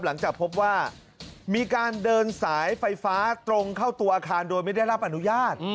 หลังจากพบว่ามีการเดินสายไฟฟ้าตรงเข้าตัวอาคารโดยไม่ได้รับอนุญาต